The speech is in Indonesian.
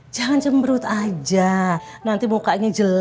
jangan cemberut aja nanti mukanya jelek lho